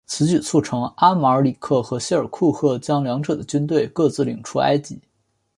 此举促成阿马尔里克和谢尔库赫将两者的军队各自领出埃及。